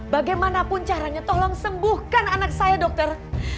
bagaimanapun caranya tolong sembuhkan anak saya dokter